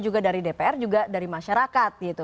juga dari dpr juga dari masyarakat gitu